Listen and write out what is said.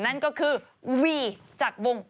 นั่นก็คือวีจากวง